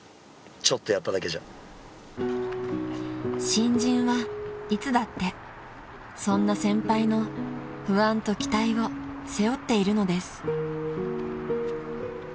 ［新人はいつだってそんな先輩の不安と期待を背負っているのです］